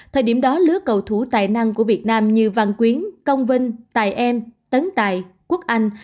thời điểm đó lứa cầu thủ tài năng của việt nam như văn quyến công vinh tài em tấn tài quốc anh